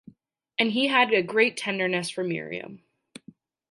And he had a great tenderness for Miriam.